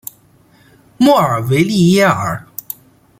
莫尔维利耶尔。